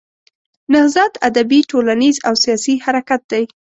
نهضت ادبي، ټولنیز او سیاسي حرکت دی.